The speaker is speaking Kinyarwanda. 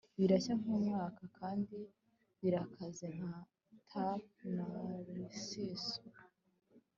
Birashya nkumwuka kandi birakaze nka tale na narcissus